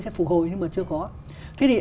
sẽ phục hồi nhưng mà chưa có thế thì